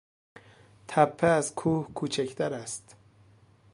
تپه از کوه کوچکتر است.